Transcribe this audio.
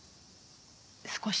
少し。